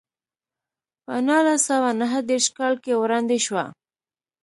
په نولس سوه نهه دېرش کال کې وړاندې شوه.